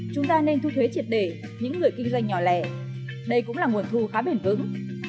chúng ta nên thu thuế triệt để những người kinh doanh nhỏ lẻ đây cũng là nguồn thu khá bền vững